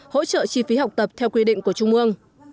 hỗ trợ chi phí học tập theo quy định của trung ương